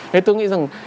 thế tôi nghĩ rằng